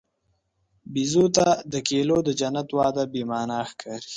بیزو ته د کیلو د جنت وعده بېمعنی ښکاري.